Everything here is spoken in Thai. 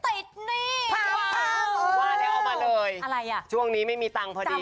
ว่าแล้วเอามาเลยอะไรอ่ะช่วงนี้ไม่มีตังค์พอดี